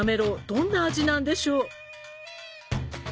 どんな味なんでしょう？